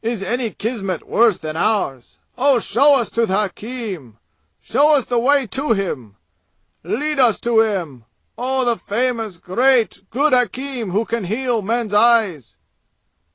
Is any kismet worse than ours? Oh, show us to the hakim! Show us the way to him! Lead us to him! Oh, the famous, great, good hakim who can heal men's eyes!"